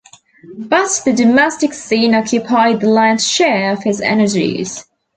But the domestic scene occupied the lion's share of his energies.